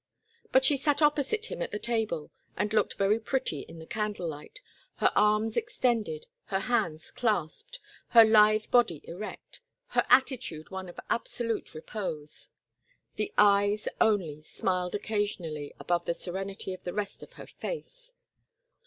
But she sat opposite him at the table and looked very pretty in the candle light, her arms extended, her hands clasped, her lithe body erect, her attitude one of absolute repose; the eyes, only, smiled occasionally above the serenity of the rest of her face.